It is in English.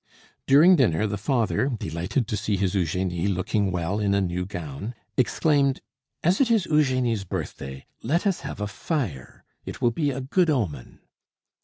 During dinner the father, delighted to see his Eugenie looking well in a new gown, exclaimed: "As it is Eugenie's birthday let us have a fire; it will be a good omen."